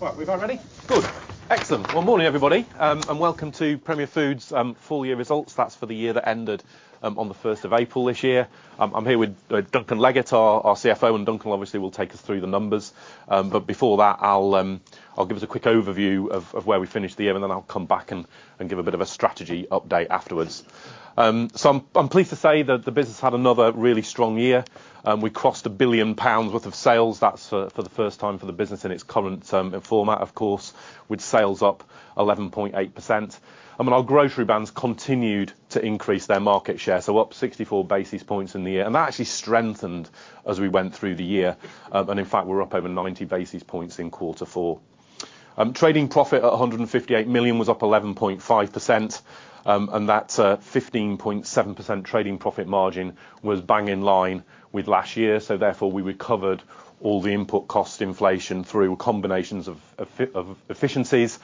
Right, we're about ready? Good. Excellent. Well, morning, everybody, and welcome to Premier Foods full year results. That's for the year that ended on the 1st of April this year. I'm here with Duncan Leggett, our CFO, and Duncan obviously will take us through the numbers. Before that, I'll give us a quick overview of where we finished the year, and then I'll come back and give a bit of a strategy update afterwards. I'm pleased to say that the business had another really strong year. We crossed 1 billion pounds worth of sales. That's for the first time for the business in its current format, of course, with sales up 11.8%. I mean, our grocery brands continued to increase their market share, up 64 basis points in the year. That actually strengthened as we went through the year. In fact, we're up over 90 basis points in quarter four. Trading profit at 158 million was up 11.5%. That's 15.7% trading profit margin was bang in line with last year, therefore we recovered all the input cost inflation through combinations of efficiencies,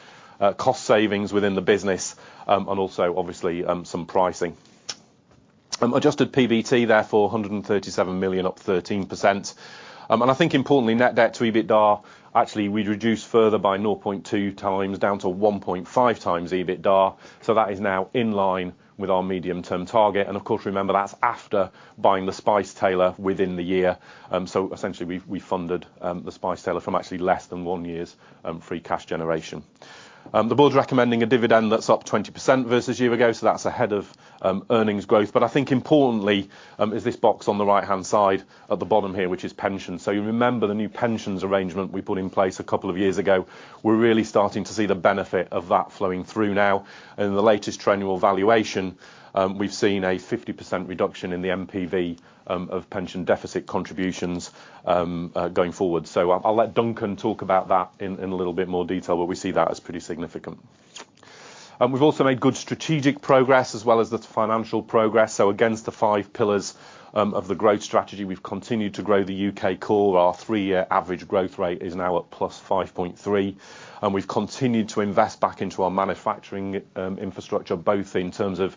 cost savings within the business, and also obviously, some pricing. Adjusted PBT therefore 137 million up 13%. I think importantly, net debt to EBITDA, actually we'd reduced further by 0.2x down to 1.5x EBITDA. That is now in line with our medium term target. Of course, remember that's after buying The Spice Tailor within the year. Essentially we funded The Spice Tailor from actually less than one year's free cash generation. The board's recommending a dividend that's up 20% versus year ago, that's ahead of earnings growth. I think importantly, is this box on the right-hand side at the bottom here, which is pensions. You remember the new pensions arrangement we put in place a couple of years ago. We're really starting to see the benefit of that flowing through now. In the latest triennial valuation, we've seen a 50% reduction in the NPV of pension deficit contributions going forward. I'll let Duncan talk about that in a little bit more detail, but we see that as pretty significant. We've also made good strategic progress as well as the financial progress. Against the five pillars of the growth strategy, we've continued to grow the U.K. core. Our three-year average growth rate is now at +5.3. We've continued to invest back into our manufacturing infrastructure, both in terms of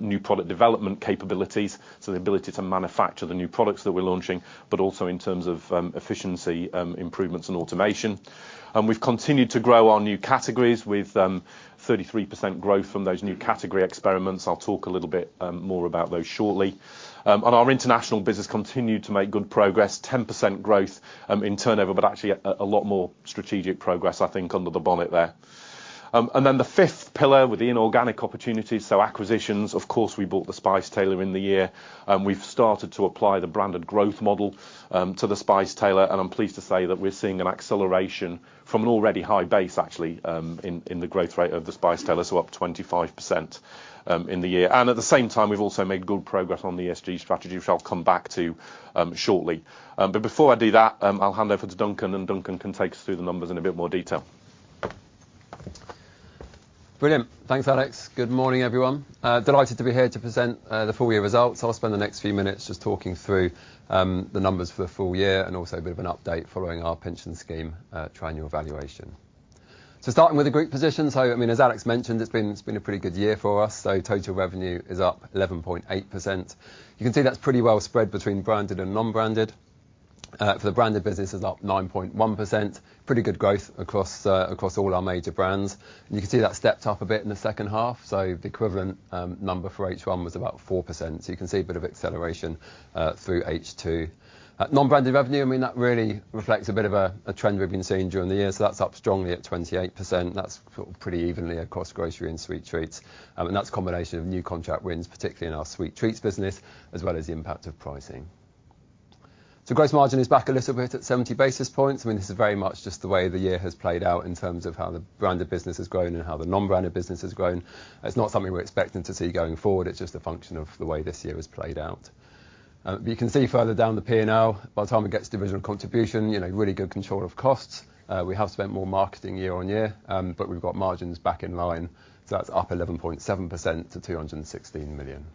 new product development capabilities, so the ability to manufacture the new products that we're launching, but also in terms of efficiency improvements and automation. We've continued to grow our new categories with 33% growth from those new category experiments. I'll talk a little bit more about those shortly. Our international business continued to make good progress, 10% growth in turnover, but actually a lot more strategic progress, I think, under the bonnet there. The fifth pillar with the inorganic opportunities, so acquisitions, of course, we bought The Spice Tailor in the year. We've started to apply the Branded Growth Model to The Spice Tailor, I'm pleased to say that we're seeing an acceleration from an already high base, actually, in the growth rate of The Spice Tailor, so up 25% in the year. At the same time, we've also made good progress on the ESG strategy, which I'll come back to shortly. Before I do that, I'll hand over to Duncan, and Duncan can take us through the numbers in a bit more detail. Brilliant. Thanks, Alex. Good morning, everyone. delighted to be here to present the full year results. I'll spend the next few minutes just talking through the numbers for the full year and also a bit of an update following our pension scheme triennial valuation. Starting with the group position. I mean, as Alex mentioned, it's been a pretty good year for us. Total revenue is up 11.8%. You can see that's pretty well spread between branded and non-branded. For the branded business is up 9.1%. Pretty good growth across all our major brands. And you can see that stepped up a bit in the second half. The equivalent number for H1 was about 4%. You can see a bit of acceleration through H2. Non-branded revenue, I mean, that really reflects a bit of a trend we've been seeing during the year. That's up strongly at 28%. That's pretty evenly across grocery and sweet treats. And that's a combination of new contract wins, particularly in our sweet treats business, as well as the impact of pricing. Gross margin is back a little bit at 70 basis points. I mean, this is very much just the way the year has played out in terms of how the branded business has grown and how the non-branded business has grown. It's not something we're expecting to see going forward. It's just a function of the way this year has played out. But you can see further down the P&L, by the time it gets to division contribution, you know, really good control of costs. We have spent more marketing year-over-year, we've got margins back in line. That's up 11.7% to 216 million.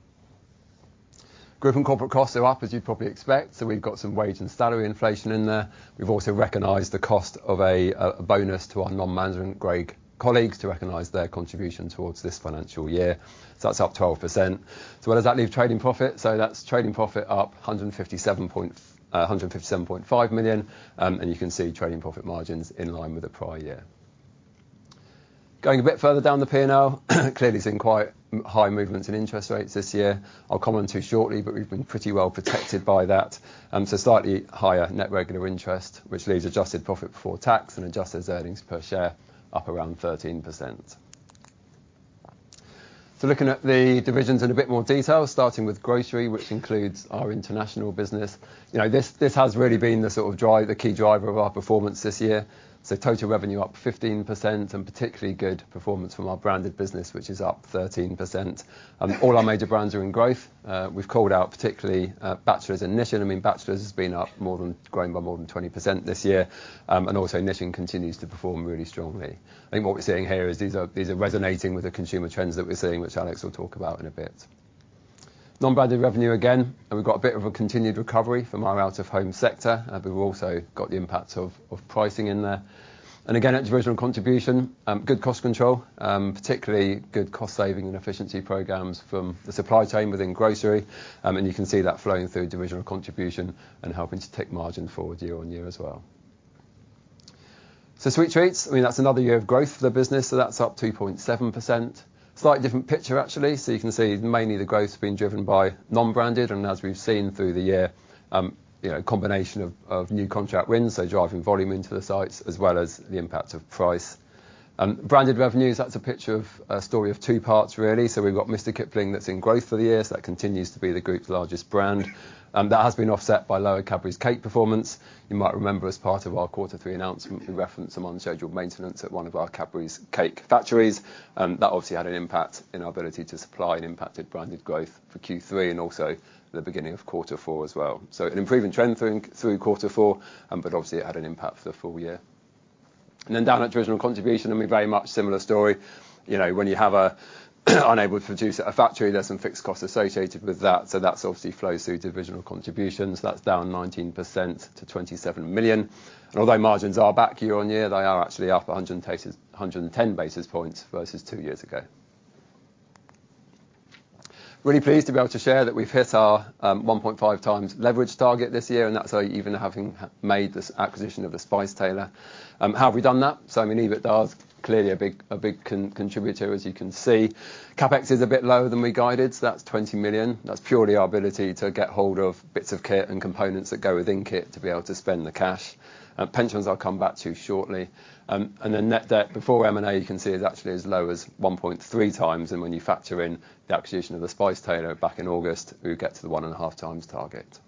Group and corporate costs are up, as you'd probably expect. We've got some wage and salary inflation in there. We've also recognized the cost of a bonus to our non-management grade colleagues to recognize their contribution towards this financial year. That's up 12%. Where does that leave trading profit? That's trading profit up 157.5 million. You can see trading profit margins in line with the prior year. Going a bit further down the P&L, clearly seen quite high movements in interest rates this year. I'll comment on it shortly, we've been pretty well protected by that. Slightly higher net regular interest, which leaves adjusted profit before tax and adjusted earnings per share up around 13%. Looking at the divisions in a bit more detail, starting with grocery, which includes our international business. You know, this has really been the sort of driver, key driver of our performance this year. Total revenue up 15% and particularly good performance from our branded business, which is up 13%. All our major brands are in growth. We've called out particularly Batchelors and Nissin. I mean, Batchelors has grown by more than 20% this year. And also Nissin continues to perform really strongly. I think what we're seeing here is these are resonating with the consumer trends that we're seeing, which Alex will talk about in a bit. Non-branded revenue again, we've got a bit of a continued recovery from our out-of-home sector. We've also got the impact of pricing in there. Again, at division contribution, good cost control, particularly good cost saving and efficiency programs from the supply chain within grocery. You can see that flowing through division contribution and helping to tick margin forward year on year as well. Sweet treats. I mean, that's another year of growth for the business. That's up 2.7%. Slightly different picture, actually. You can see mainly the growth has been driven by non-branded and as we've seen through the year, you know, a combination of new contract wins, driving volume into the sites as well as the impact of price. Branded revenues, that's a picture of a story of two parts, really. We've got Mr. Kipling that's in growth for the year. That continues to be the group's largest brand. That has been offset by lower Cadbury cake performance. You might remember as part of our Q3 announcement, we referenced some unscheduled maintenance at one of our Cadbury cake factories. That obviously had an impact in our ability to supply and impacted branded growth for Q3 and also the beginning of Q4 as well. An improving trend through Q4, but obviously it had an impact for the full year. Down at divisional contribution, I mean, very much similar story. You know, when you have a unable to produce at a factory, there's some fixed costs associated with that. That's obviously flows through divisional contributions. That's down 19% to 27 million. Although margins are back year-on-year, they are actually up 110 basis points versus two years ago. Really pleased to be able to share that we've hit our 1.5x leverage target this year, and that's only even having made this acquisition of The Spice Tailor. How have we done that? I mean, EBITA is clearly a big contributor, as you can see. CapEx is a bit lower than we guided, that's 20 million. That's purely our ability to get hold of bits of kit and components that go within kit to be able to spend the cash. Pensions I'll come back to shortly. The net debt before M&A, you can see, is actually as low as 1.3x. When you factor in the acquisition of The Spice Tailor back in August, we get to the 1.5x target.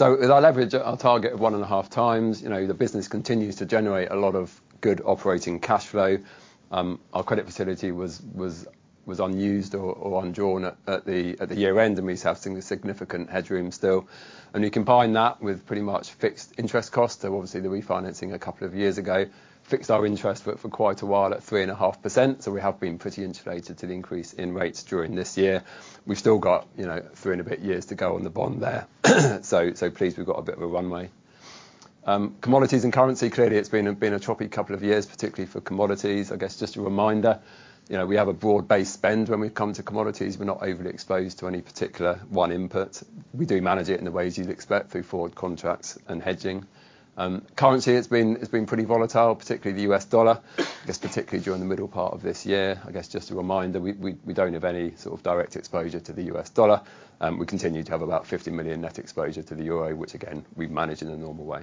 With our leverage at our target of 1.5x, you know, the business continues to generate a lot of good operating cash flow. Our credit facility was unused or undrawn at the year-end, and we have significant headroom still. You combine that with pretty much fixed interest costs. Obviously, the refinancing a couple of years ago fixed our interest for quite a while at 3.5%. We have been pretty insulated to the increase in rates during this year. We've still got, you know, three and a bit years to go on the bond there. Pleased we've got a bit of a runway. Commodities and currency. Clearly, it's been a choppy couple of years, particularly for commodities. I guess just a reminder, you know, we have a broad-based spend when we come to commodities. We're not overly exposed to any particular one input. We do manage it in the ways you'd expect through forward contracts and hedging. Currency, it's been pretty volatile, particularly the US dollar. It's particularly during the middle part of this year. I guess just a reminder, we don't have any sort of direct exposure to the US dollar. We continue to have about 50 million net exposure to the euro, which again, we manage in a normal way.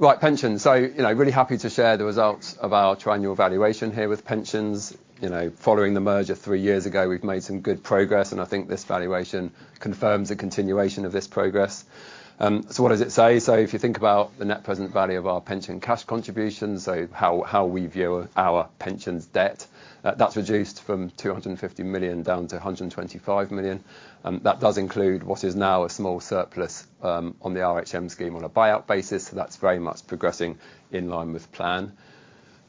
Right. Pensions. You know, really happy to share the results of our triennial valuation here with pensions. You know, following the merger three years ago, we've made some good progress, and I think this valuation confirms the continuation of this progress. What does it say? If you think about the net present value of our pension cash contributions, how we view our pensions debt, that's reduced from 250 million down to 125 million. That does include what is now a small surplus on the RHM scheme on a buyout basis. That's very much progressing in line with plan.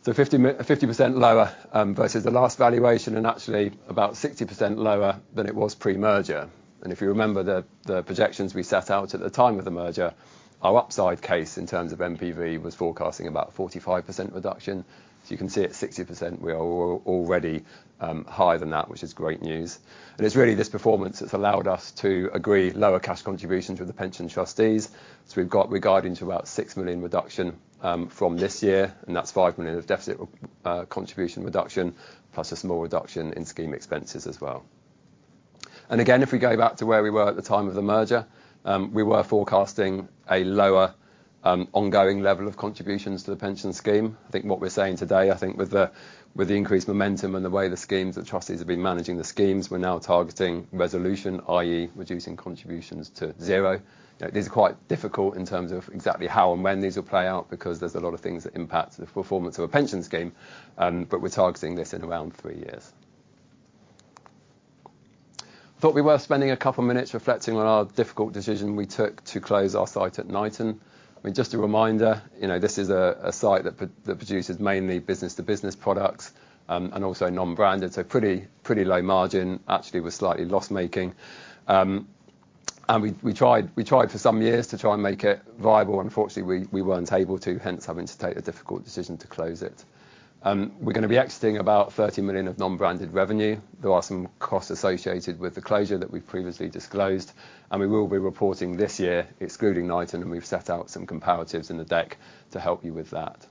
50% lower versus the last valuation and actually about 60% lower than it was pre-merger. If you remember the projections we set out at the time of the merger, our upside case in terms of NPV was forecasting about 45% reduction. You can see at 60%, we are already higher than that, which is great news. It's really this performance that's allowed us to agree lower cash contributions with the pension trustees. We've got regarding to about 6 million reduction from this year, and that's 5 million of deficit contribution reduction, plus a small reduction in scheme expenses as well. Again, if we go back to where we were at the time of the merger, we were forecasting a lower ongoing level of contributions to the pension scheme. I think what we're saying today, I think with the, with the increased momentum and the way the schemes, the trustees have been managing the schemes, we're now targeting resolution, i.e., reducing contributions to zero. These are quite difficult in terms of exactly how and when these will play out because there's a lot of things that impact the performance of a pensions scheme. We're targeting this in around three years. Thought we were spending a couple of minutes reflecting on our difficult decision we took to close our site at Knighton. I mean, just a reminder, you know, this is a site that produces mainly business-to-business products and also non-branded. Pretty low margin. Actually, was slightly loss-making. We tried for some years to try and make it viable. Unfortunately, we weren't able to, hence having to take a difficult decision to close it. We're gonna be exiting about 30 million of non-branded revenue. There are some costs associated with the closure that we've previously disclosed. We will be reporting this year excluding Knighton, and we've set out some comparatives in the deck to help you with that.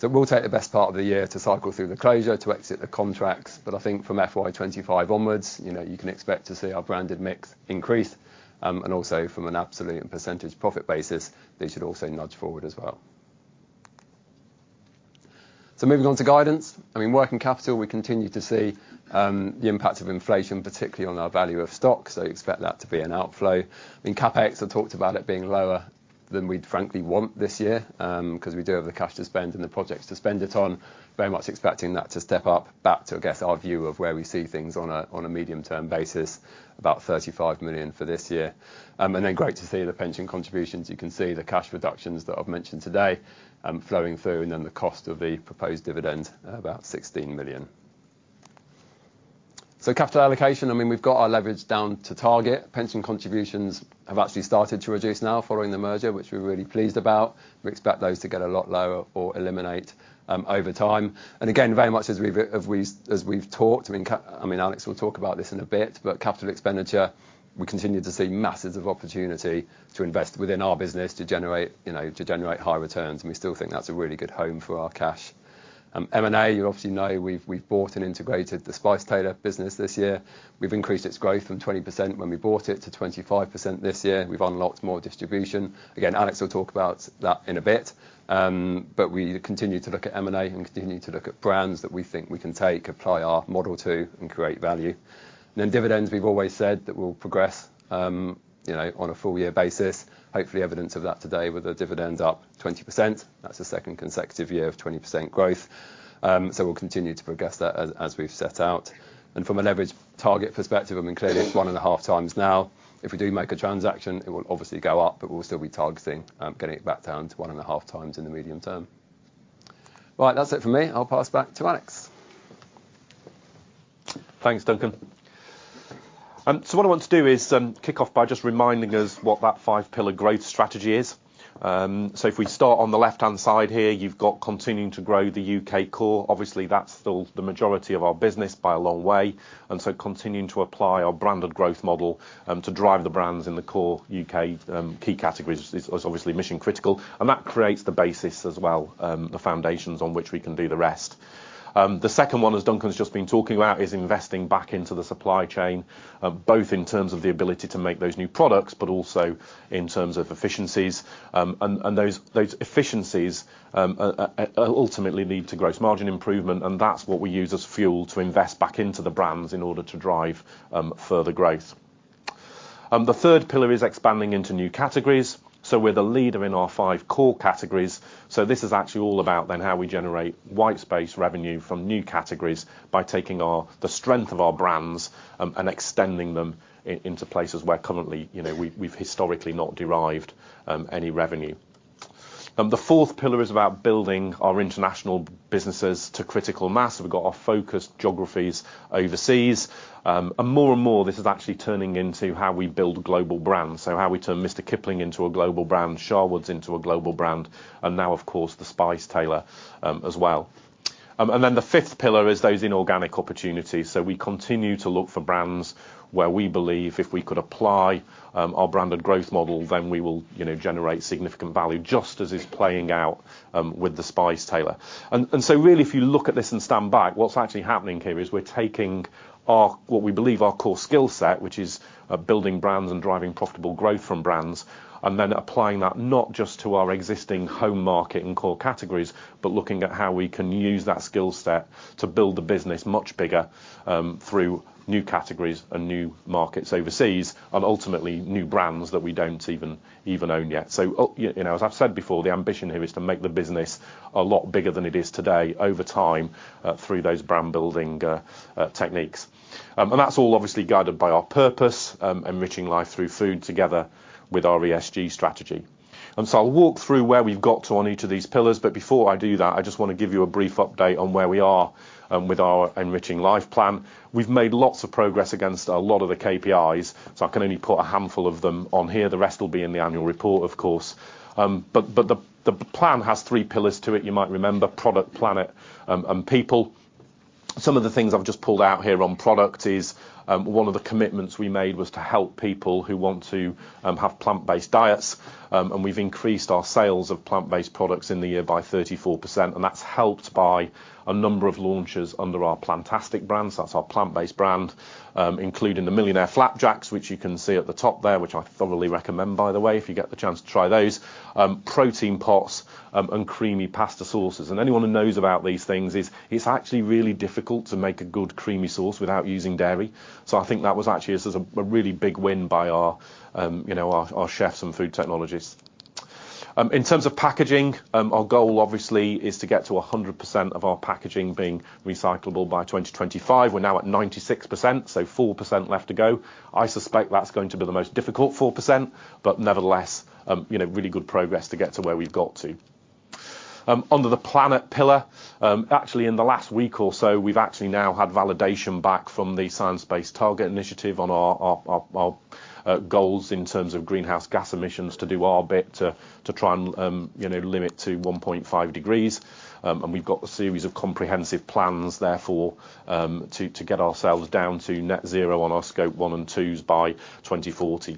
We'll take the best part of the year to cycle through the closure, to exit the contracts. I think from FY25 onwards, you know, you can expect to see our branded mix increase, and also from an absolute and percentage profit basis, they should also nudge forward as well. Moving on to guidance. I mean, working capital, we continue to see the impact of inflation, particularly on our value of stock. Expect that to be an outflow. In CapEx, I talked about it being lower than we'd frankly want this year, 'cause we do have the cash to spend and the projects to spend it on. Very much expecting that to step up back to, I guess, our view of where we see things on a, on a medium-term basis, about 35 million for this year. Great to see the pension contributions. You can see the cash reductions that I've mentioned today, flowing through and then the cost of the proposed dividend at about 16 million. Capital allocation, I mean, we've got our leverage down to target. Pension contributions have actually started to reduce now following the merger, which we're really pleased about. We expect those to get a lot lower or eliminate over time. Again, very much as we've talked, I mean, Alex will talk about this in a bit, but capital expenditure. We continue to see masses of opportunity to invest within our business to generate, you know, to generate high returns, and we still think that's a really good home for our cash. M&A, you obviously know we've bought and integrated The Spice Tailor business this year. We've increased its growth from 20% when we bought it to 25% this year. We've unlocked more distribution. Again, Alex will talk about that in a bit. We continue to look at M&A and continue to look at brands that we think we can take, apply our model to, and create value. Then dividends, we've always said that we'll progress, you know, on a full year basis. Hopefully evidence of that today with the dividends up 20%. That's the second consecutive year of 20% growth. We'll continue to progress that as we've set out. From a leverage target perspective, I mean, clearly it's 1.5x now. If we do make a transaction, it will obviously go up, but we'll still be targeting getting it back down to 1.5x in the medium term. Right. That's it for me. I'll pass back to Alex. Thanks, Duncan. What I want to do is kick off by just reminding us what that five pillar growth strategy is. If we start on the left-hand side here, you've got continuing to grow the U.K. core. Obviously, that's still the majority of our business by a long way, continuing to apply our Branded Growth Model to drive the brands in the core U.K., key categories is obviously mission critical, and that creates the basis as well, the foundations on which we can do the rest. The second one, as Duncan's just been talking about, is investing back into the supply chain, both in terms of the ability to make those new products, but also in terms of efficiencies. Those efficiencies ultimately lead to gross margin improvement, and that's what we use as fuel to invest back into the brands in order to drive further growth. The third pillar is expanding into new categories. We're the leader in our five core categories, this is actually all about then how we generate white space revenue from new categories by taking the strength of our brands and extending them into places where currently, you know, we've historically not derived any revenue. The fourth pillar is about building our international businesses to critical mass. We've got our focus geographies overseas. More and more, this is actually turning into how we build global brands. How we turn Mr. Kipling into a global brand, Sharwood's into a global brand, now, of course, The Spice Tailor, as well. The fifth pillar is those inorganic opportunities. We continue to look for brands where we believe if we could apply our Branded Growth Model, then we will, you know, generate significant value just as is playing out with The Spice Tailor. Really, if you look at this and stand back, what's actually happening here is we're taking our, what we believe our core skill set, which is building brands and driving profitable growth from brands, and then applying that not just to our existing home market and core categories, but looking at how we can use that skill set to build the business much bigger through new categories and new markets overseas and ultimately new brands that we don't even own yet. You know, as I've said before, the ambition here is to make the business a lot bigger than it is today over time through those brand building techniques. That's all obviously guided by our purpose, Enriching Life through food together with our ESG strategy. I'll walk through where we've got to on each of these pillars, but before I do that, I just wanna give you a brief update on where we are with our Enriching Life Plan. We've made lots of progress against a lot of the KPIs, so I can only put a handful of them on here. The rest will be in the annual report, of course. But the plan has three pillars to it. You might remember product, planet, and people. Some of the things I've just pulled out here on product is, one of the commitments we made was to help people who want to have plant-based diets, and we've increased our sales of plant-based products in the year by 34%, and that's helped by a number of launches under our Plantastic brand, so that's our plant-based brand, including the Millionaire Flapjacks, which you can see at the top there, which I thoroughly recommend by the way, if you get the chance to try those, protein pots, and creamy pasta sauces. Anyone who knows about these things is, it's actually really difficult to make a good creamy sauce without using dairy. I think that was actually a really big win by our, you know, our chefs and food technologists. In terms of packaging, our goal obviously is to get to 100% of our packaging being recyclable by 2025. We're now at 96%, 4% left to go. I suspect that's going to be the most difficult 4%, but nevertheless, you know, really good progress to get to where we've got to. Under the planet pillar, actually in the last week or so, we've actually now had validation back from the Science Based Targets initiative on our goals in terms of greenhouse gas emissions to do our bit to try and, you know, limit to 1.5 degrees. We've got a series of comprehensive plans therefore, to get ourselves down to net zero on our Scope 1 and 2s by 2040.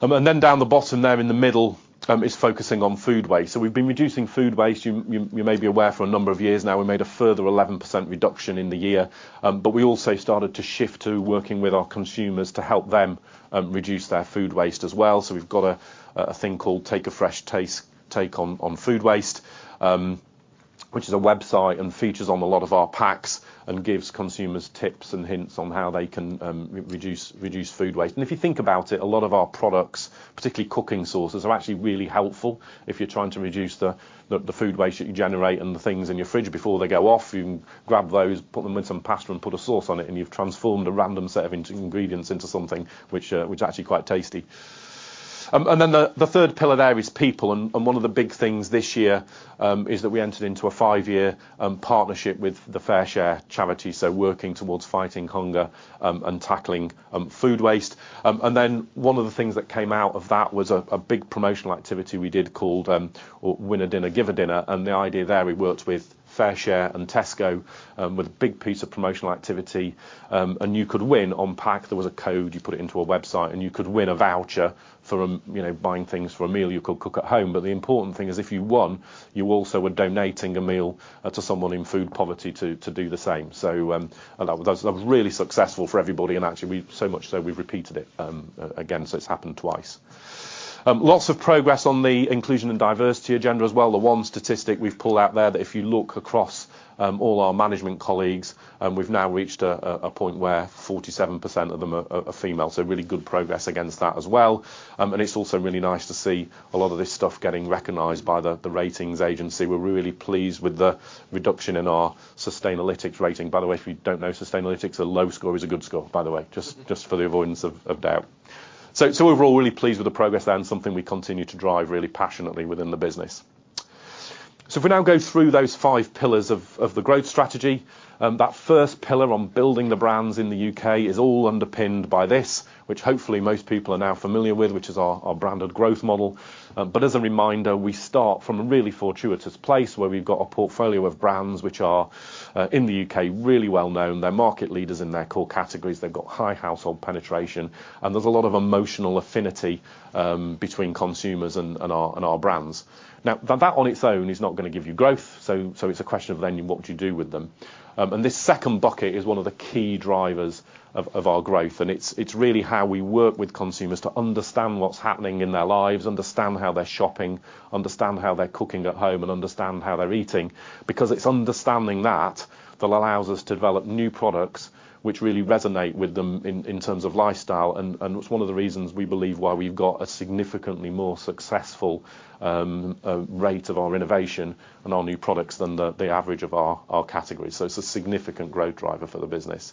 Down the bottom there in the middle, is focusing on food waste. We've been reducing food waste, you may be aware, for a number of years now. We made a further 11% reduction in the year, but we also started to shift to working with our consumers to help them reduce their food waste as well. We've got a thing called Take a Fresh Taste Take on food waste, which is a website and features on a lot of our packs and gives consumers tips and hints on how they can reduce food waste. If you think about it, a lot of our products, particularly cooking sauces, are actually really helpful if you're trying to reduce the food waste that you generate and the things in your fridge before they go off. You can grab those, put them in some pasta and put a sauce on it, and you've transformed a random set of ingredients into something which is actually quite tasty. The third pillar there is people, and one of the big things this year is that we entered into a five-year partnership with the FareShare charity, so working towards fighting hunger and tackling food waste. Then one of the things that came out of that was a big promotional activity we did called Win a Dinner, Give a Dinner. The idea there we worked with FareShare and Tesco with a big piece of promotional activity. You could win. On pack, there was a code, you put it into a website, and you could win a voucher for, you know, buying things for a meal you could cook at home. The important thing is if you won, you also were donating a meal to someone in food poverty to do the same. That was really successful for everybody and actually we so much so we've repeated it again, so it's happened twice. Lots of progress on the inclusion and diversity agenda as well. The one statistic we've pulled out there that if you look across all our management colleagues, we've now reached a point where 47% of them are female, so really good progress against that as well. It's also really nice to see a lot of this stuff getting recognized by the ratings agency. We're really pleased with the reduction in our Sustainalytics rating. By the way, if you don't know Sustainalytics, a low score is a good score, by the way, just for the avoidance of doubt. Overall, really pleased with the progress there and something we continue to drive really passionately within the business. If we now go through those five pillars of the growth strategy, that first pillar on building the brands in the U.K. is all underpinned by this, which hopefully most people are now familiar with, which is our Branded Growth Model. As a reminder, we start from a really fortuitous place where we've got a portfolio of brands which are in the U.K., really well known. They're market leaders in their core categories. They've got high household penetration, and there's a lot of emotional affinity between consumers and our brands. That on its own is not gonna give you growth. It's a question of then what do you do with them. This second bucket is one of the key drivers of our growth, it's really how we work with consumers to understand what's happening in their lives, understand how they're shopping, understand how they're cooking at home, and understand how they're eating. Because it's understanding that that allows us to develop new products which really resonate with them in terms of lifestyle, it's one of the reasons we believe why we've got a significantly more successful rate of our innovation and our new products than the average of our category. It's a significant growth driver for the business.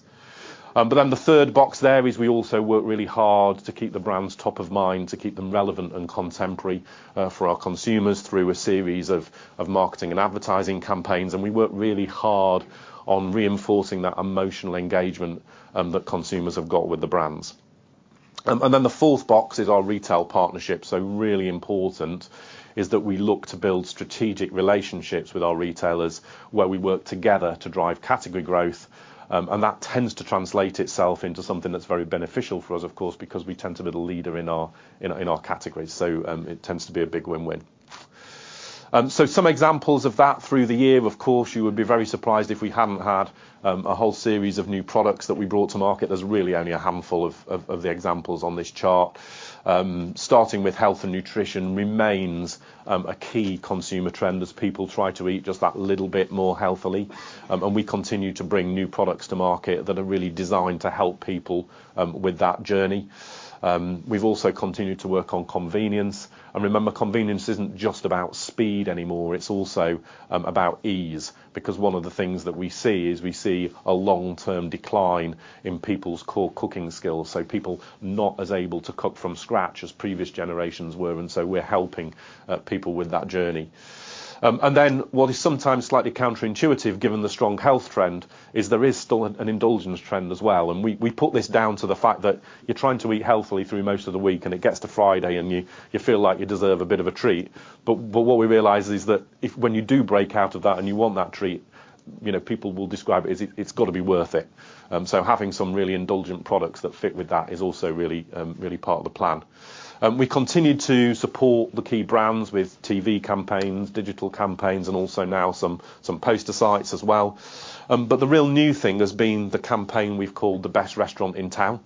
The third box there is we also work really hard to keep the brands top of mind, to keep them relevant and contemporary for our consumers through a series of marketing and advertising campaigns. We work really hard on reinforcing that emotional engagement that consumers have got with the brands. The fourth box is our retail partnership, so really important is that we look to build strategic relationships with our retailers, where we work together to drive category growth. That tends to translate itself into something that's very beneficial for us, of course, because we tend to be the leader in our categories. It tends to be a big win-win. Some examples of that through the year, of course, you would be very surprised if we hadn't had a whole series of new products that we brought to market. There's really only a handful of the examples on this chart. Starting with health and nutrition remains a key consumer trend as people try to eat just that little bit more healthily. We continue to bring new products to market that are really designed to help people with that journey. We've also continued to work on convenience. Remember, convenience isn't just about speed anymore, it's also about ease because one of the things that we see is we see a long-term decline in people's core cooking skills, so people not as able to cook from scratch as previous generations were, we're helping people with that journey. What is sometimes slightly counterintuitive given the strong health trend is there is still an indulgence trend as well. We put this down to the fact that you're trying to eat healthily through most of the week, and it gets to Friday, and you feel like you deserve a bit of a treat. What we realize is that if when you do break out of that and you want that treat, you know, people will describe it as it's gotta be worth it. Having some really indulgent products that fit with that is also really part of the plan. We continue to support the key brands with TV campaigns, digital campaigns, and also now some poster sites as well. The real new thing has been the campaign we've called The Best Restaurant in Town.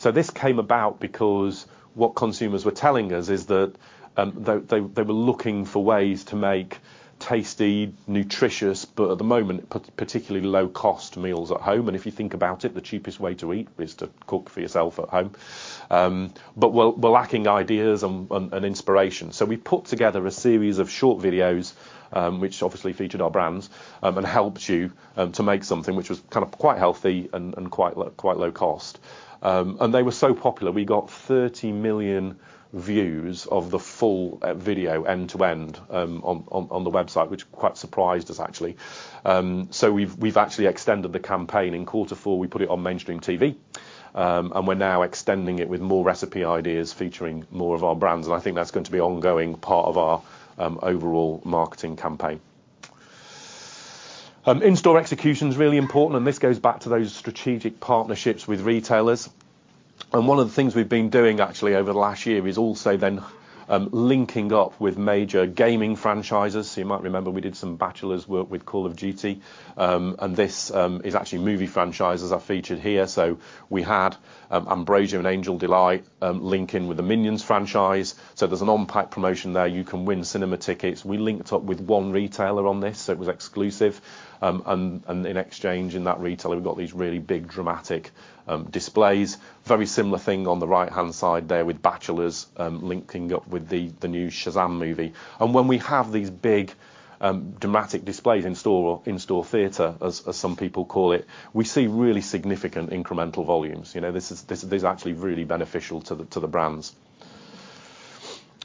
This came about because what consumers were telling us is that they were looking for ways to make tasty, nutritious, but at the moment, particularly low cost meals at home. If you think about it, the cheapest way to eat is to cook for yourself at home. Were lacking ideas and inspiration. We put together a series of short videos, which obviously featured our brands, and helped you to make something which was kind of quite healthy and quite low cost. They were so popular. We got 30 million views of the full, video end to end, on the website, which quite surprised us actually. We've actually extended the campaign. In quarter four, we put it on mainstream TV, we're now extending it with more recipe ideas featuring more of our brands. I think that's going to be ongoing part of our overall marketing campaign. In-store execution's really important, this goes back to those strategic partnerships with retailers. One of the things we've been doing actually over the last year is also then linking up with major gaming franchises. You might remember we did some Batchelors work with Call of Duty. This is actually movie franchises are featured here. We had Ambrosia and Angel Delight link in with the Minions franchise. There's an on-pack promotion there. You can win cinema tickets. We linked up with one retailer on this, it was exclusive. In exchange, in that retailer, we've got these really big, dramatic, displays. Very similar thing on the right-hand side there with Batchelors, linking up with the new Shazam movie. When we have these big, dramatic displays in-store or in-store theater, as some people call it, we see really significant incremental volumes. You know, this is, this is actually really beneficial to the, to the brands.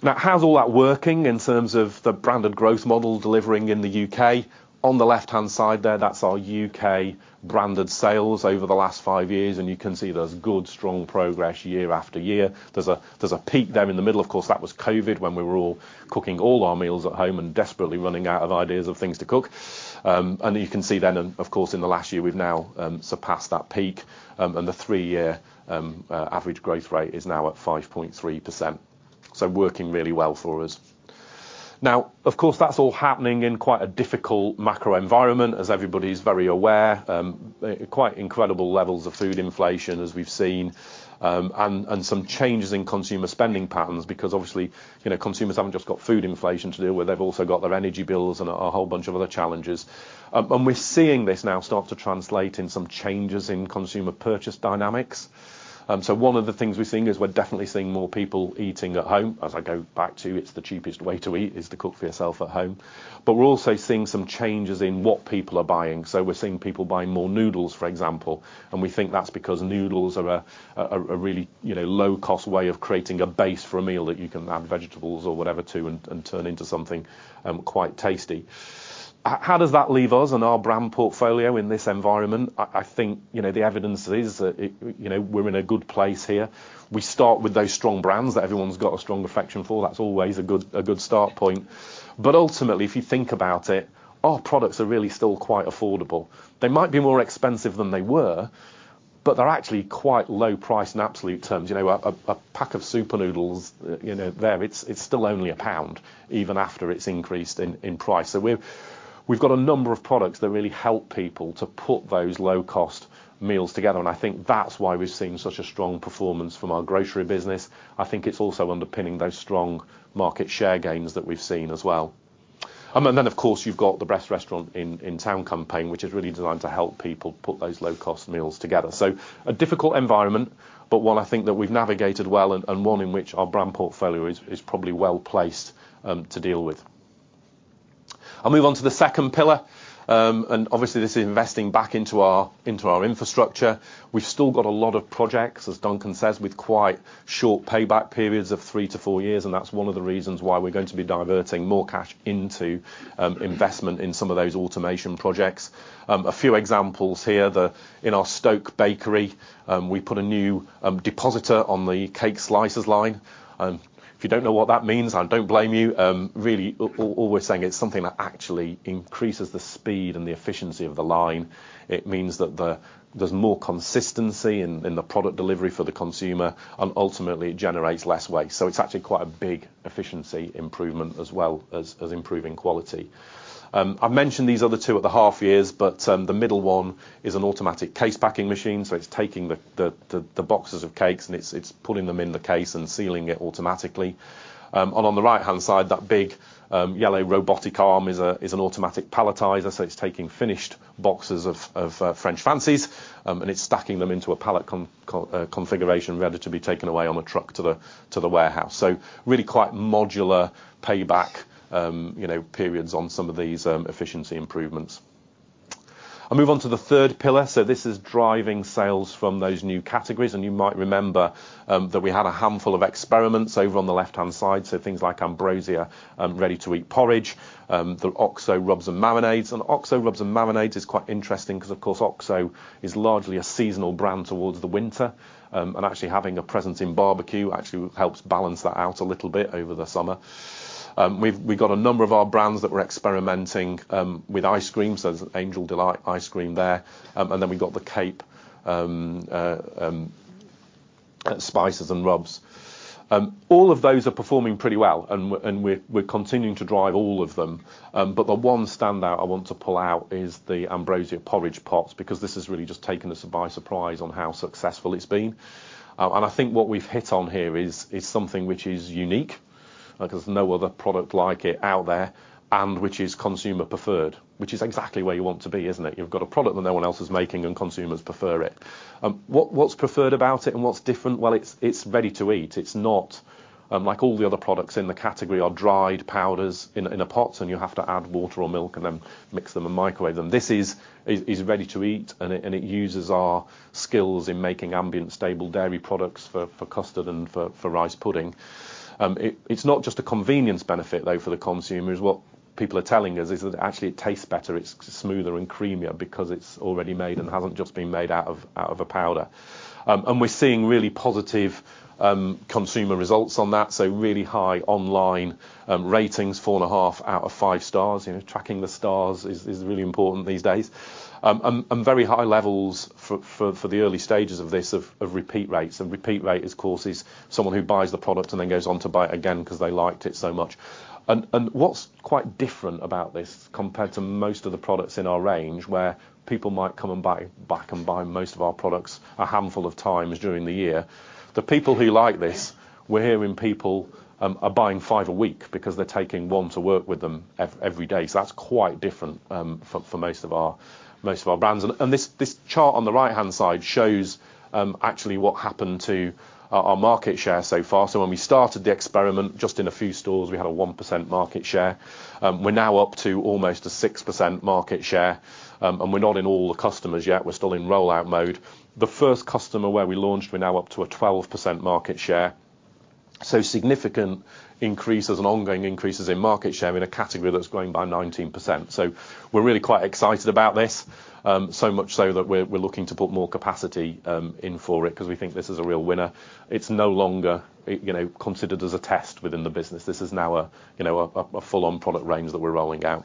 Now how's all that working in terms of the Branded Growth Model delivering in the U.K.? On the left-hand side there, that's our U.K. branded sales over the last five years, and you can see there's good, strong progress year after year. There's a, there's a peak there in the middle, of course, that was COVID when we were all cooking all our meals at home and desperately running out of ideas of things to cook. You can see then of course, in the last year we've now surpassed that peak, and the three-year average growth rate is now at 5.3%. Working really well for us. Of course, that's all happening in quite a difficult macro environment as everybody's very aware. Quite incredible levels of food inflation as we've seen, and some changes in consumer spending patterns because obviously, you know, consumers haven't just got food inflation to deal with. They've also got their energy bills and a whole bunch of other challenges. We're seeing this now start to translate in some changes in consumer purchase dynamics. One of the things we're seeing is we're definitely seeing more people eating at home. As I go back to, it's the cheapest way to eat, is to cook for yourself at home. We're also seeing some changes in what people are buying. We're seeing people buying more noodles, for example. We think that's because noodles are a really, you know, low cost way of creating a base for a meal that you can add vegetables or whatever to and turn into something quite tasty. How does that leave us and our brand portfolio in this environment? I think, you know, the evidence is that, you know, we're in a good place here. We start with those strong brands that everyone's got a strong affection for. That's always a good start point. Ultimately, if you think about it, our products are really still quite affordable. They might be more expensive than they were, but they're actually quite low price in absolute terms. You know, a pack of Super Noodles, you know, it's still only GBP 1 even after it's increased in price. We've got a number of products that really help people to put those low cost meals together. I think that's why we've seen such a strong performance from our grocery business. I think it's also underpinning those strong market share gains that we've seen as well. Of course, you've got the Best Restaurant in Town campaign, which is really designed to help people put those low cost meals together. A difficult environment, but one I think that we've navigated well and one in which our brand portfolio is probably well-placed to deal with. I'll move on to the second pillar. Obviously this is investing back into our infrastructure. We've still got a lot of projects, as Duncan says, with quite short payback periods of 3-4 years, that's one of the reasons why we're going to be diverting more cash into investment in some of those automation projects. A few examples here. In our Stoke bakery, we put a new depositor on the cake slicers line. If you don't know what that means, I don't blame you. Really, all we're saying it's something that actually increases the speed and the efficiency of the line. It means that there's more consistency in the product delivery for the consumer, ultimately it generates less waste. It's actually quite a big efficiency improvement as well as improving quality. I've mentioned these other two at the half years, but the middle one is an automatic case packing machine, so it's taking the boxes of cakes and it's putting them in the case and sealing it automatically. On the right-hand side, that big yellow robotic arm is an automatic palletizer, so it's taking finished boxes of French Fancies and it's stacking them into a pallet configuration ready to be taken away on a truck to the warehouse. Really quite modular payback, you know, periods on some of these efficiency improvements. I'll move on to the third pillar. This is driving sales from those new categories. You might remember that we had a handful of experiments over on the left-hand side. Things like Ambrosia, ready-to-eat porridge, the OXO rubs and marinades. OXO rubs and marinades is quite interesting because of course, OXO is largely a seasonal brand towards the winter. Actually having a presence in barbecue actually helps balance that out a little bit over the summer. We've got a number of our brands that we're experimenting with ice cream, so there's Angel Delight ice cream there. We've got the Cape spices and rubs. All of those are performing pretty well and we're continuing to drive all of them. The one standout I want to pull out is the Ambrosia porridge pots, because this has really just taken us by surprise on how successful it's been. I think what we've hit on here is something which is unique. Like, there's no other product like it out there and which is consumer preferred, which is exactly where you want to be, isn't it? You've got a product that no one else is making and consumers prefer it. What's preferred about it and what's different? Well, it's ready to eat. It's not, like all the other products in the category are dried powders in a pot, and you have to add water or milk and then mix them and microwave them. This is ready to eat and it uses our skills in making ambient stable dairy products for custard and for rice pudding. It's not just a convenience benefit though for the consumers. What people are telling us is that actually it tastes better, it's smoother and creamier because it's already made and hasn't just been made out of, out of a powder. We're seeing really positive consumer results on that. Really high online ratings, 4.5 out of five stars. You know, tracking the stars is really important these days. Very high levels for the early stages of this of repeat rates. Repeat rate of course, is someone who buys the product and then goes on to buy it again 'cause they liked it so much. What's quite different about this compared to most of the products in our range where people might come and buy back and buy most of our products a handful of times during the year. The people who like this, we're hearing people are buying five a week because they're taking one to work with them every day. That's quite different for most of our brands. This chart on the right-hand side shows actually what happened to our market share so far. When we started the experiment, just in a few stores, we had a 1% market share. We're now up to almost a 6% market share. We're not in all the customers yet. We're still in rollout mode. The first customer where we launched, we're now up to a 12% market share. Significant increases and ongoing increases in market share in a category that's growing by 19%. We're really quite excited about this. So much so that we're looking to put more capacity in for it 'cause we think this is a real winner. It's no longer, you know, considered as a test within the business. This is now a, you know, a full-on product range that we're rolling out.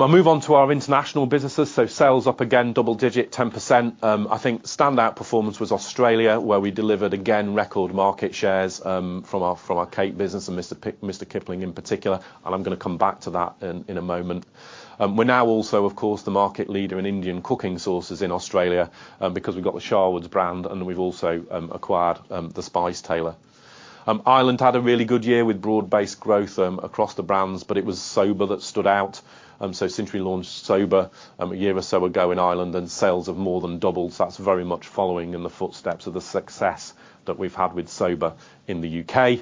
I'll move on to our international businesses. Sales up again, double digit, 10%. I think standout performance was Australia, where we delivered again, record market shares from our, from our cake business and Mr. Kipling in particular. I'm gonna come back to that in a moment. We're now also, of course, the market leader in Indian cooking sources in Australia, because we've got the Sharwood's brand and we've also acquired The Spice Tailor. Ireland had a really good year with broad-based growth across the brands, but it was Soba that stood out. Since we launched Soba, a year or so ago in Ireland, sales have more than doubled. That's very much following in the footsteps of the success that we've had with Soba in the U.K.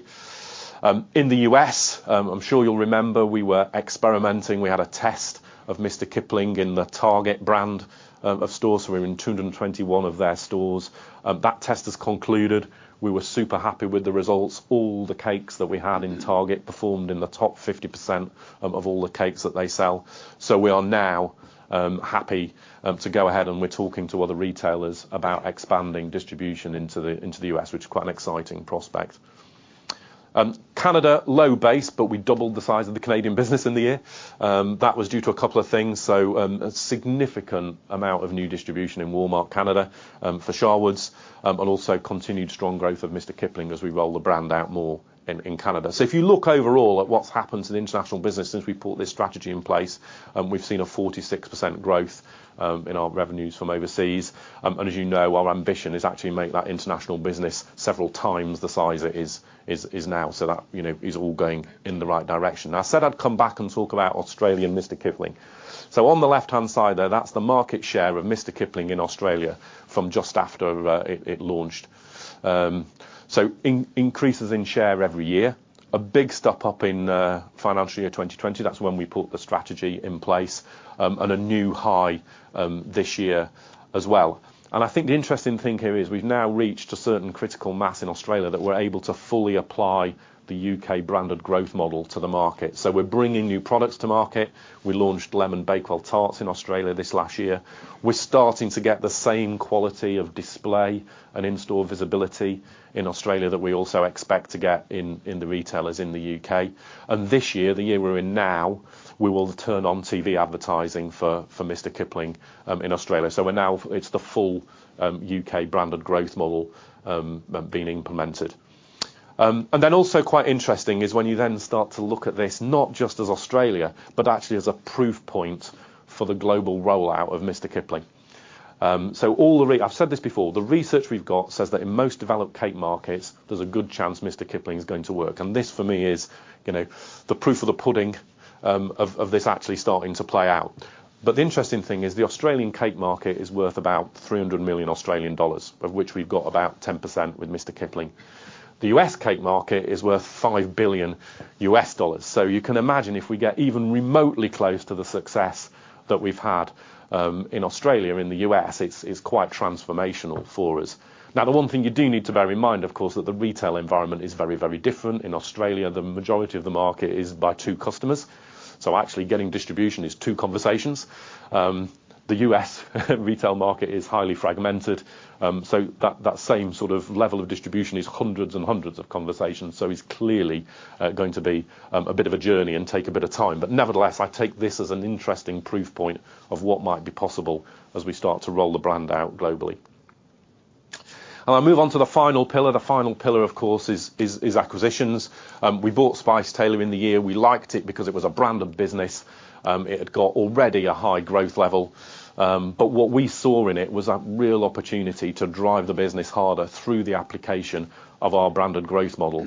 In the U.S., I'm sure you'll remember we were experimenting. We had a test of Mr Kipling in the Target brand of stores. We were in 221 of their stores. That test has concluded. We were super happy with the results. All the cakes that we had in Target performed in the top 50% of all the cakes that they sell. We are now happy to go ahead, and we're talking to other retailers about expanding distribution into the U.S., which is quite an exciting prospect. Canada, low base, but we doubled the size of the Canadian business in the year. That was due to a couple of things. A significant amount of new distribution in Walmart Canada, for Sharwood's, and also continued strong growth of Mr Kipling as we roll the brand out more in Canada. If you look overall at what's happened to the international business since we put this strategy in place, we've seen a 46% growth in our revenues from overseas. As you know, our ambition is to actually make that international business several times the size it is now. That, you know, is all going in the right direction. I said I'd come back and talk about Australia and Mr. Kipling. On the left-hand side there, that's the market share of Mr. Kipling in Australia from just after it launched. Increases in share every year. A big step up in financial year 2020. That's when we put the strategy in place, and a new high this year as well. I think the interesting thing here is we've now reached a certain critical mass in Australia that we're able to fully apply the U.K. Branded Growth Model to the market. We're bringing new products to market. We launched Lemon Bakewell Tarts in Australia this last year. We're starting to get the same quality of display and in-store visibility in Australia that we also expect to get in the retailers in the U.K. This year, the year we're in now, we will turn on TV advertising for Mr. Kipling in Australia. We're now it's the full U.K. Branded Growth Model being implemented. Also quite interesting is when you then start to look at this not just as Australia, but actually as a proof point for the global rollout of Mr. Kipling. All the I've said this before. The research we've got says that in most developed cake markets, there's a good chance Mr. Kipling is going to work. This, for me, is, you know, the proof of the pudding of this actually starting to play out. The interesting thing is the Australian cake market is worth about 300 million Australian dollars, of which we've got about 10% with Mr. Kipling. The U.S. cake market is worth $5 billion. You can imagine if we get even remotely close to the success that we've had in Australia or in the U.S., it's quite transformational for us. The one thing you do need to bear in mind, of course, that the retail environment is very, very different. In Australia, the majority of the market is by two customers. Actually getting distribution is two conversations. The U.S. retail market is highly fragmented, so that same sort of level of distribution is hundreds and hundreds of conversations. It's clearly going to be a bit of a journey and take a bit of time. Nevertheless, I take this as an interesting proof point of what might be possible as we start to roll the brand out globally. I'll move on to the final pillar. The final pillar, of course, is acquisitions. We bought The Spice Tailor in the year. We liked it because it was a brand of business. It had got already a high growth level. What we saw in it was a real opportunity to drive the business harder through the application of our Branded Growth Model.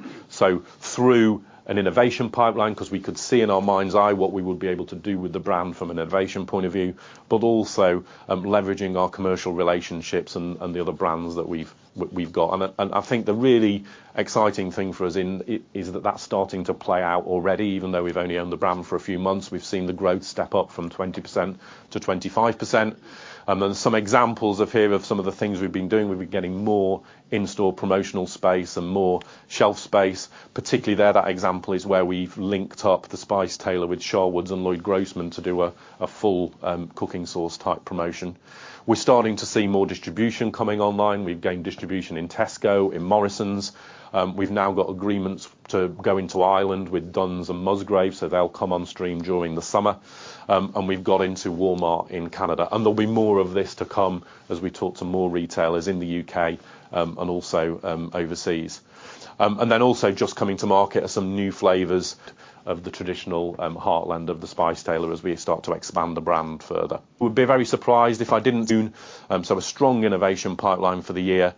Through an innovation pipeline, because we could see in our mind's eye what we would be able to do with the brand from an innovation point of view, but also, leveraging our commercial relationships and the other brands that we've got. I think the really exciting thing for us in it is that that's starting to play out already. Even though we've only owned the brand for a few months, we've seen the growth step up from 20%-25%. Some examples of here of some of the things we've been doing. We've been getting more in-store promotional space and more shelf space. Particularly there, that example is where we've linked up The Spice Tailor with Sharwood's and Loyd Grossman to do a full cooking sauce type promotion. We're starting to see more distribution coming online. We've gained distribution in Tesco, in Morrisons. We've now got agreements to go into Ireland with Dunnes and Musgrave, so they'll come on stream during the summer. We've got into Walmart in Canada. There'll be more of this to come as we talk to more retailers in the U.K. and also overseas. Also just coming to market are some new flavors of the traditional heartland of The Spice Tailor as we start to expand the brand further. Would be very surprised if I didn't soon, so a strong innovation pipeline for the year,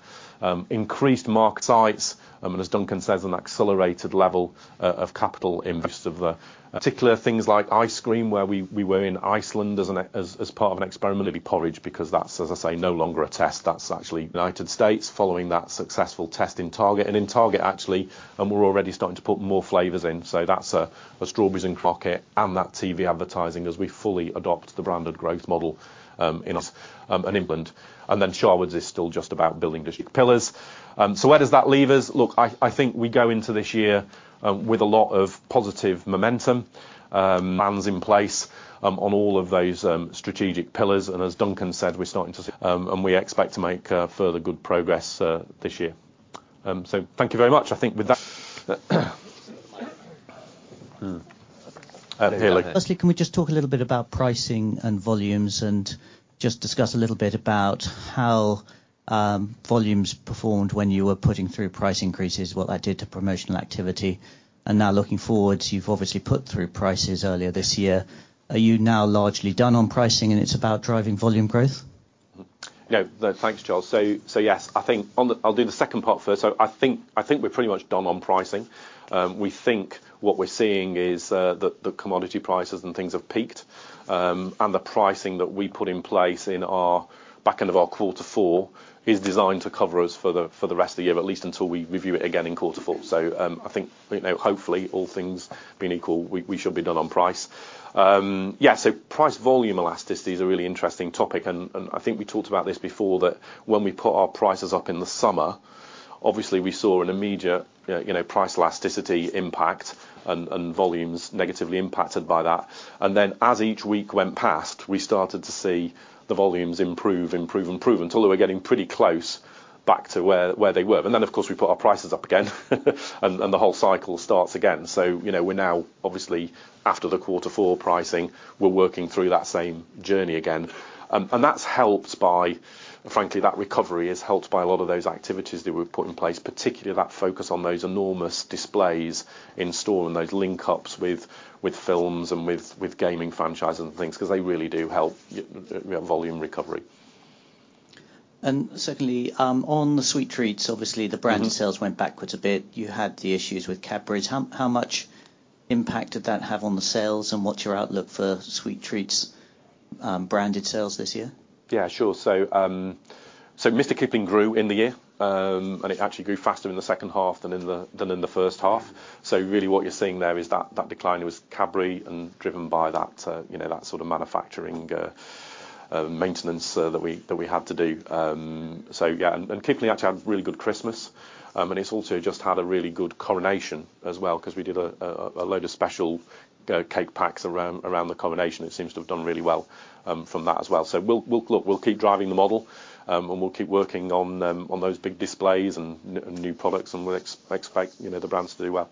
increased market sites, and as Duncan says, an accelerated level of capital investment of particular things like ice cream, where we were in Iceland as part of an experiment early porridge because that's, as I say, no longer a test. That's actually United States following that successful test in Target. In Target, actually, we're already starting to put more flavors in. That's a strawberries and clotted and that TV advertising as we fully adopt the Branded Growth Model in us in England. Sharwood's is still just about building distribution pillars. Where does that leave us? Look, I think we go into this year with a lot of positive momentum, plans in place on all of those strategic pillars. As Duncan said, we expect to make further good progress this year. Thank you very much. I think with that, here we go. Firstly, can we just talk a little bit about pricing and volumes and just discuss a little bit about how volumes performed when you were putting through price increases, what that did to promotional activity. Now looking forward, you've obviously put through prices earlier this year. Are you now largely done on pricing and it's about driving volume growth? No. Thanks, Charles. Yes. I think I'll do the second part first. I think we're pretty much done on pricing. We think what we're seeing is the commodity prices and things have peaked. The pricing that we put in place in our back end of our quarter four is designed to cover us for the rest of the year, at least until we review it again in quarter four. I think, you know, hopefully all things being equal, we should be done on price. Yeah, price volume elasticity is a really interesting topic, and I think we talked about this before, that when we put our prices up in the summer, obviously we saw an immediate, you know, price elasticity impact and volumes negatively impacted by that. As each week went past, we started to see the volumes improve until they were getting pretty close back to where they were. Of course, we put our prices up again and the whole cycle starts again. You know, we're now obviously after the quarter four pricing, we're working through that same journey again. And that's helped by, frankly, that recovery is helped by a lot of those activities that we've put in place, particularly that focus on those enormous displays in-store and those link-ups with films and with gaming franchises and things, 'cause they really do help volume recovery. Secondly, on the sweet treats, obviously the branded sales went backwards a bit. You had the issues with Cadbury. How much impact did that have on the sales, and what's your outlook for sweet treats' branded sales this year? Sure. Mr. Kipling grew in the year, and it actually grew faster in the second half than in the first half. Really what you're seeing there is that decline was Cadbury and driven by that, you know, that sort of manufacturing maintenance that we had to do. Kipling actually had a really good Christmas. And it's also just had a really good coronation as well, because we did a load of special cake packs around the coronation. It seems to have done really well from that as well. Look, we'll keep driving the model, and we'll keep working on those big displays and new products, and we'll expect, you know, the brands to do well.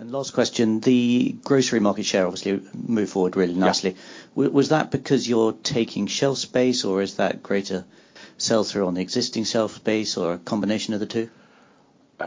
Last question, the grocery market share obviously moved forward really nicely. Yeah. Was that because you're taking shelf space, or is that greater sell through on the existing shelf space or a combination of the two?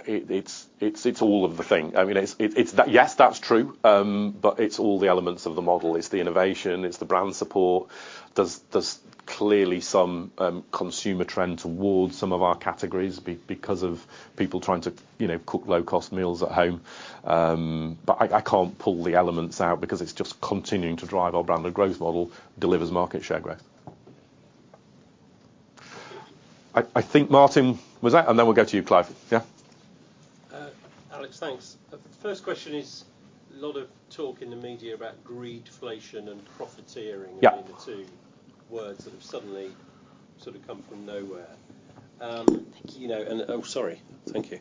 It's all of the thing. I mean, it's Yes, that's true, but it's all the elements of the model. It's the innovation, it's the brand support. There's clearly some consumer trend towards some of our categories because of people trying to, you know, cook low cost meals at home. But I can't pull the elements out because it's just continuing to drive our brand. The growth model delivers market share growth. I think Martin was that. Then we'll go to you, Clive. Yeah. Alex, thanks. The first question is a lot of talk in the media about greedflation and profiteering. Yeah are the two words that have suddenly sort of come from nowhere. You know, and... Sorry. Thank you.